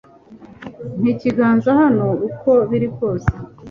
Mpa ikiganza hano uko biri kose